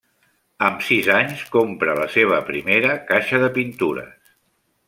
Amb sis anys compra la seva primera caixa de pintures.